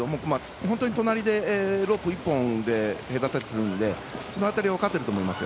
本当に隣でロープ１本で隔ててるので分かってると思いますよ。